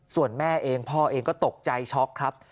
ส่วนแม่เองพ่อเองก็ตกใจช็อกครับ